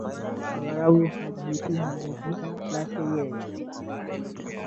aghalabu hajiiti mwenyewe jina lake yeye huitwa kwa hilo jina alilopewa na wengine